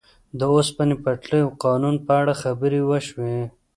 د اوسپنې پټلۍ او قانون په اړه خبرې وشوې.